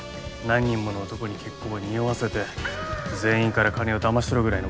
何人もの男に結婚を匂わせて全員から金をだまし取るぐらいのことしないと。